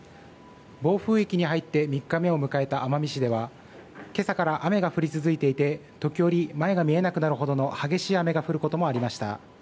暴風域に入って３日目を迎えた奄美市では今朝から雨が降り続いていて時折、前が見えなくなるほどの激しい雨が降ることもありました。